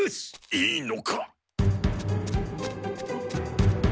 いいのか？